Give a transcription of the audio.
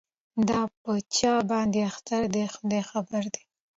دا په چا باندي اختر دی خداي خبر دی